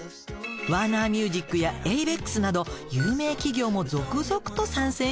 ワーナーミュージックやエイベックスなど有名企業も続々と参戦しているの。